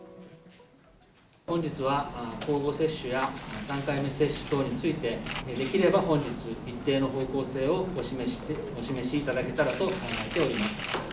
本日は交互接種や３回目接種等について、できれば本日、日程の方向性をお示しいただけたらと考えております。